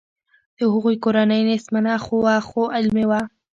د هغه کورنۍ نیستمنه وه خو علمي وه